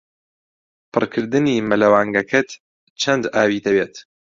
پڕکردنی مەلەوانگەکەت چەند ئاوی دەوێت؟